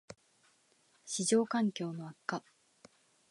① 市場環境の悪化